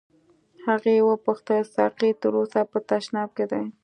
هغې وپوښتل ساقي تر اوسه په تشناب کې دی.